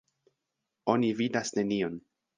Oni vidas nenion.